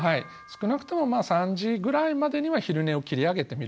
少なくとも３時ぐらいまでには昼寝を切り上げてみるというのも。